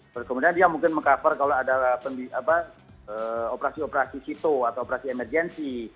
terus kemudian dia mungkin meng cover kalau ada operasi operasi sito atau operasi emergensi